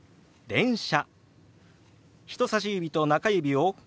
「電車」。